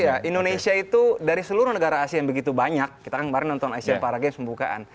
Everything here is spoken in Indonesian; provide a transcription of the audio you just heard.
iya indonesia itu dari seluruh negara asia yang begitu banyak kita kan kemarin nonton asian paragames pembukaan